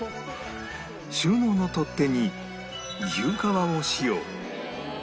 収納の取っ手に牛革を使用